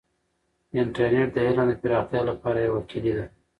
انټرنیټ د علم د پراختیا لپاره یوه کیلي ده.